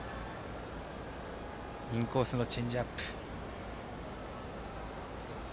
インコースのチェンジアップ。